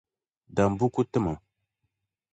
Dam buku n-ti ma.